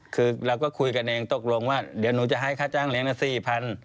คือเราก็คุยกันเองตกลงว่าเดี๋ยวหนูจะให้ค่าจ้างเลี้ยละ๔๐๐บาท